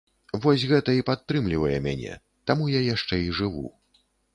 Вось гэта і падтрымлівае мяне, таму я яшчэ і жыву.